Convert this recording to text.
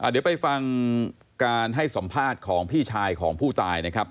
เดี๋ยวไปฟังการให้สัมภาษณ์ของพี่ชายของผู้ตายนะครับ